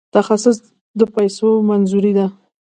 تخصیص د پیسو منظوري ده